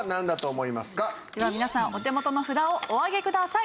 では皆さんお手元の札をお上げください。